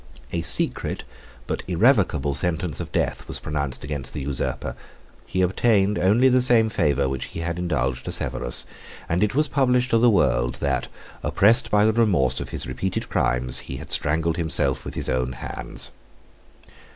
A secret but irrevocable sentence of death was pronounced against the usurper; he obtained only the same favor which he had indulged to Severus, and it was published to the world, that, oppressed by the remorse of his repeated crimes, he strangled himself with his own hands.